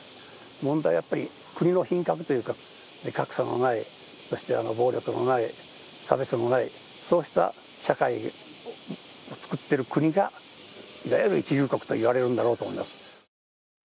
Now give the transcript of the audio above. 問題はやっぱり国の品格というか、格差のない、そして暴力のない、差別のない、そうした社会を作っている国がいわゆる一流国と言われるんだろうと思います。